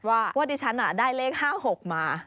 ว่าดิฉันได้เลข๕๖มา